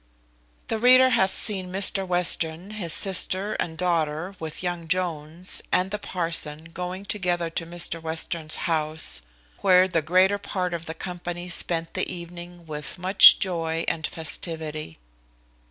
The reader hath seen Mr Western, his sister, and daughter, with young Jones, and the parson, going together to Mr Western's house, where the greater part of the company spent the evening with much joy and festivity.